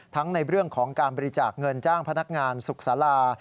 ในเรื่องของการบริจาคเงินจ้างพนักงานสุขศาลา